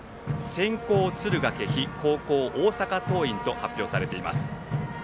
先攻が敦賀気比後攻が大阪桐蔭と発表されています。